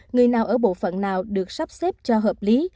người nào ở bộ phận nào được sắp xếp cho hợp lý